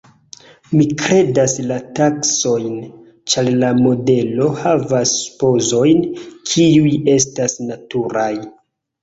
Mi kredas la taksojn, ĉar la modelo havas supozojn, kiuj estas naturaj.